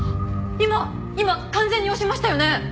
今完全に押しましたよね？